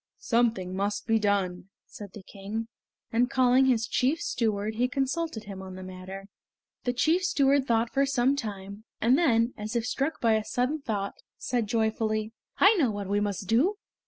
"Something must be done," said the King, and calling his chief steward he consulted him on the matter. The chief steward thought for some time, and then, as if struck by a sudden thought, said joyfully: "I know what we must do!